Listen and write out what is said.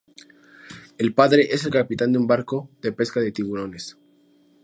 El padre es el capitán de un barco de pesca de tiburones.